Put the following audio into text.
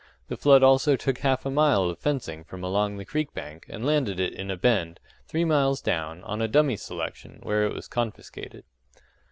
The flood also took half a mile of fencing from along the creek bank, and landed it in a bend, three miles down, on a dummy selection, where it was confiscated.